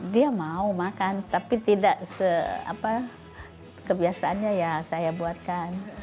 dia mau makan tapi tidak kebiasaannya ya saya buatkan